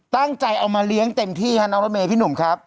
ตั้งใจเอามาเลี้ยงเต็มที่ค่ะน้องรถเมย์พี่หนุ่มครับ